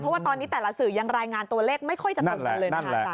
เพราะว่าตอนนี้แต่ละสื่อยังรายงานตัวเลขไม่ค่อยจะตรงกันเลยนะคะ